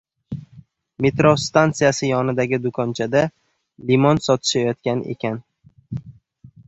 Metro stantsiyasi yonidagi do‘konchada limon sotishayotgan ekan.